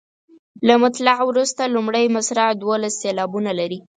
له مطلع وروسته لومړۍ مصرع دولس سېلابونه لري.